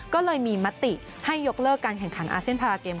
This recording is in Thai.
ก็เลยมีมติให้ยกเลิกการแข่งขันอาเซียนพาราเกม